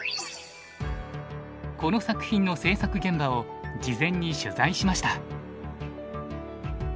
この作品の製作現場を事前に取材しました。